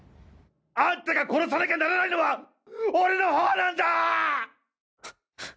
あんたが殺さなきゃならないのは俺の方なんだぁっ！！